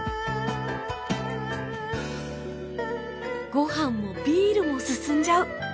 ご飯もビールも進んじゃう